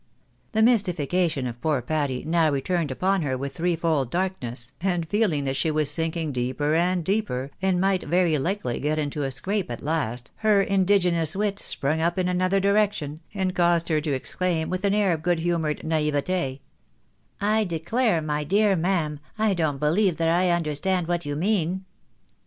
The mystification of poor Patty now returned upon her with threefold darkness, and feeling that she was sinking deeper and deeper, and might very likely get into a scrape at last, her indige nous wit sprung up in another direction, and caused her to exclaim with an air of goodhumoured naivete —" I declare, my dear ma'am, I don't believe that I understand what you mean.''